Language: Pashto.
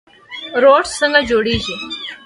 روټ څنګه جوړیږي؟